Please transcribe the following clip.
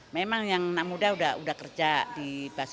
memang yang anak muda udah kerja di